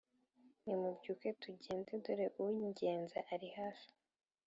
Nimubyuke tugende dore ungenza ari hafi